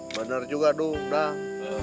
bener juga dung